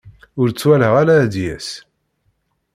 Ur t-walaɣ ara ad d-yas.